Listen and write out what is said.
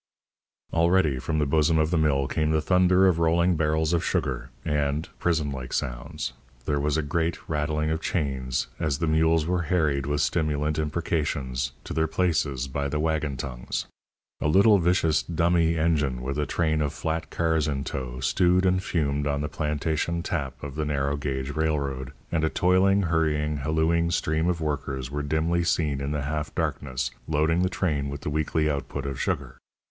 Already from the bosom of the mill came the thunder of rolling barrels of sugar, and (prison like sounds) there was a great rattling of chains as the mules were harried with stimulant imprecations to their places by the waggon tongues. A little vicious "dummy" engine, with a train of flat cars in tow, stewed and fumed on the plantation tap of the narrow gauge railroad, and a toiling, hurrying, hallooing stream of workers were dimly seen in the half darkness loading the train with the weekly output of sugar.